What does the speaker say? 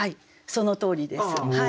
そのとおりです。